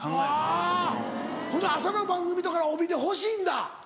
あぁほな朝の番組とか帯で欲しいんだ。